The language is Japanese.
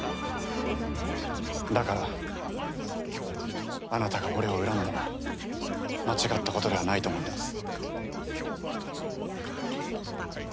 だからあなたが俺を恨むのは間違ったことではないと思ってます。